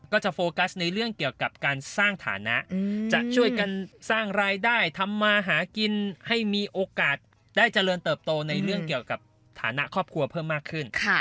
โฟกัสในเรื่องเกี่ยวกับการสร้างฐานะจะช่วยกันสร้างรายได้ทำมาหากินให้มีโอกาสได้เจริญเติบโตในเรื่องเกี่ยวกับฐานะครอบครัวเพิ่มมากขึ้น